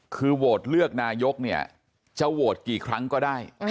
คือโหวตเลือกนายกเนี่ยจะโหวตกี่ครั้งก็ได้